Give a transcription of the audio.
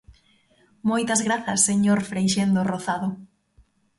Moitas grazas, señor Freixendo Rozado.